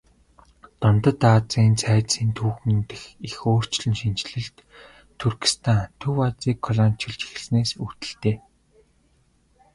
Дундад Азийн цайны түүхэн дэх их өөрчлөн шинэчлэлт Туркестан Төв Азийг колоничилж эхэлснээс үүдэлтэй.